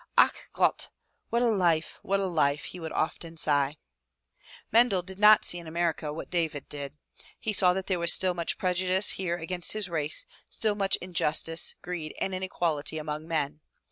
"Ach Gott! What a hfe! What a life!" he would often sigh. Mendel did not see in America what David did. He saw that there was still much prejudice here against his race, still much injustice, greed and inequality among men.